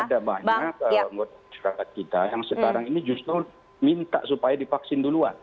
ada banyak masyarakat kita yang sekarang ini justru minta supaya divaksin duluan